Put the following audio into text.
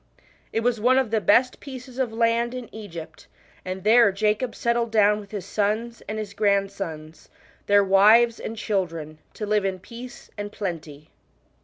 It was one of the best pieces of land in Egypt, and there Jacob settled down with his sons and his grandsons, theii; wiv^s und children, to live in peace and plenty.